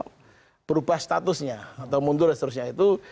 kalau berubah statusnya atau mundur dan seterusnya itu